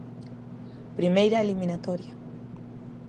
Primeira eliminatoria.